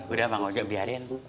udah bang ojo biarin